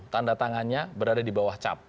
tanda tangannya berada di bawah cap